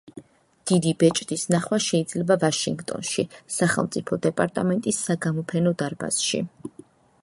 დიდი ბეჭდის ნახვა შეიძლება ვაშინგტონში, სახელმწიფო დეპარტამენტის საგამოფენო დარბაზში.